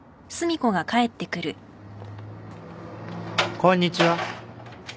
・こんにちは。